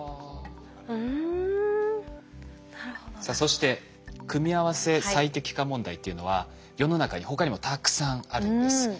さあそして組合せ最適化問題っていうのは世の中に他にもたくさんあるんです。